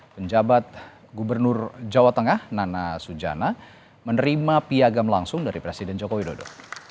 penjabat gubernur jawa tengah nana sujana menerima piagam langsung dari presiden joko widodo